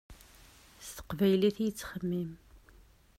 S teqbaylit i yettxemmim.